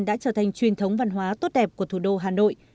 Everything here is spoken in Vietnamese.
đã trở thành truyền thống văn hóa tốt đẹp của thủ đô hà nội